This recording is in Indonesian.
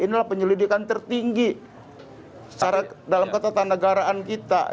inilah penyelidikan tertinggi dalam ketatanegaraan kita